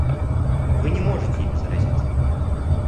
Вы не можете ими заразиться.